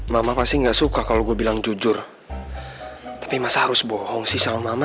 mama pasti nggak suka kalau gue bilang jujur tapi masa harus bohong sih sama mama